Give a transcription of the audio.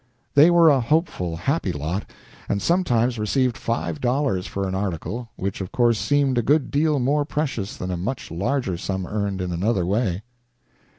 They were a hopeful, happy lot, and sometimes received five dollars for an article, which, of course, seemed a good deal more precious than a much larger sum earned in another way.